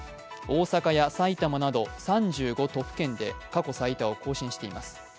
大阪や埼玉など３５都府県で過去最多を更新しています。